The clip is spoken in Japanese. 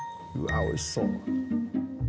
おいしそう。